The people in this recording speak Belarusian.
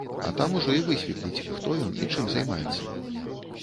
А там ужо і высветліць, хто ён і чым займаецца.